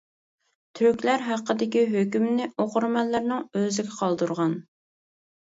تۈركلەر ھەققىدىكى ھۆكۈمنى ئوقۇرمەنلەرنىڭ ئۆزىگە قالدۇرغان.